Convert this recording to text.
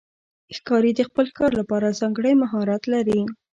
ښکاري د خپل ښکار لپاره ځانګړی مهارت لري.